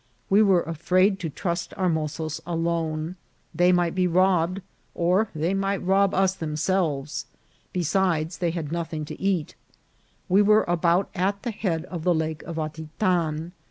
We were afraid to trust our mozos alone ; they might be robbed, or they might rob us themselves ; besides, they had no thing to eat. We were about at the head of the Lake of Atitan.